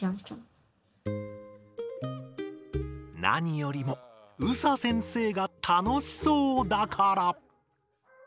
なによりもＳＡ先生が楽しそうだから。